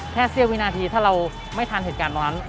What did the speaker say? แค่เสียววินาทีถ้าเราไม่ทันเหตุการณ์เหมือนกัน